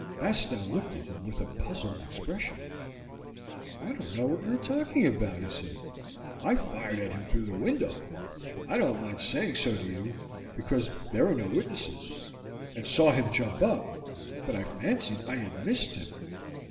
Bastow looked at him with a puzzled expression. "I don't know what you are talking about," he said. "I fired at him through the window I don't mind saying so to you, because there are no witnesses and saw him jump up, but I fancied I had missed him.